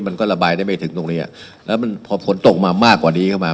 มันก็ระบายได้ไม่ถึงตรงเนี้ยแล้วมันพอฝนตกมามากกว่านี้เข้ามา